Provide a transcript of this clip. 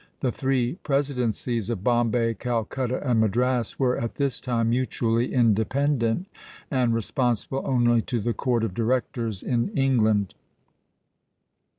The three presidencies of Bombay, Calcutta, and Madras were at this time mutually independent, and responsible only to the Court of Directors in England.